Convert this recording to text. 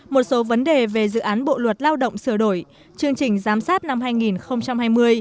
một số vấn đề về dự án bộ luật lao động sửa đổi chương trình giám sát năm hai nghìn hai mươi